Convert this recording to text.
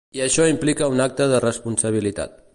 I això implica un acte de responsabilitat.